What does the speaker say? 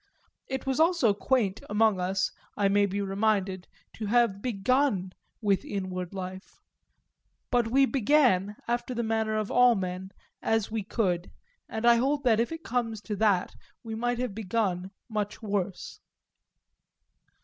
It was also quaint, among us, I may be reminded, to have begun with the inward life; but we began, after the manner of all men, as we could, and I hold that if it comes to that we might have begun much worse.